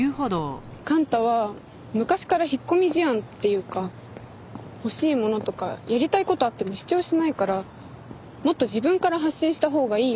幹太は昔から引っ込み思案っていうか欲しいものとかやりたい事があっても主張しないからもっと自分から発信したほうがいいよって。